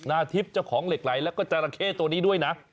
นาทิพย์เจ้าของเหล็กไหลแล้วก็จราเข้ตัวนี้ด้วยนะ